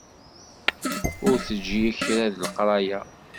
Ur teǧǧi kra deg leqraya.